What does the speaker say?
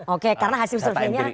oke karena hasil surveinya